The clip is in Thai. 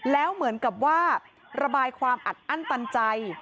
แล้วเหมือนกับว่าระบายความอัดอั้นตันใจ